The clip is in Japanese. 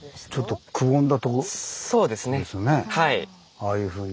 あのああいうふうに。